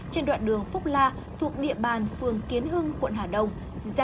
trên đoạn đường phúc la thuộc địa bàn phường kiến hưng quận hà đông